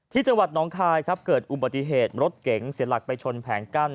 ที่จนคายเกิดอุบัติเหตุรถเก๋งเสียหลักไปชนแผงกั้น